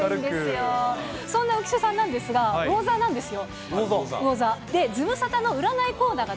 そんな浮所さんなんですが、うお座なんですよ。